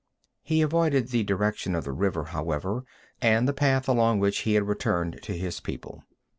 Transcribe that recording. He avoided the direction of the river, however, and the path along which he had returned to his people.